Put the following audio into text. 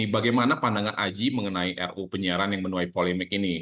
bagaimana pandangan aji mengenai ruu penyiaran yang menuai polemik ini